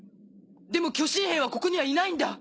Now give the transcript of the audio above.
でも巨神兵はここにはいないんだ。